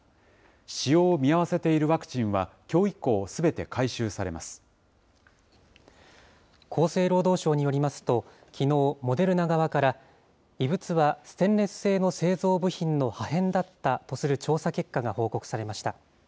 使用を見合わせているワクチンは厚生労働省によりますと、きのう、モデルナ側から、異物はステンレス製の製造部品の破片だったとする調査結果が報告されました。